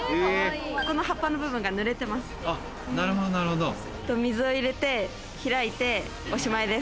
この葉っぱの部分が濡れてます。